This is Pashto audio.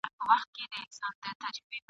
چي په هغو کي « زموږ شهید سوي عسکر» ..